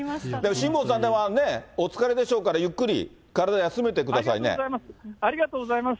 辛坊さん、お疲れでしょうから、ありがとうございます。